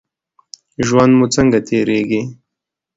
ژوند مو څنګه تیریږي؟